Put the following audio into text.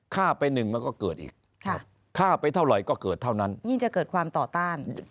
ฆ่าไปหนึ่งมันก็เกิดอีกฆ่าไปเท่าไหร่ก็เกิดเท่านั้นยิ่งจะเกิดความต่อต้าน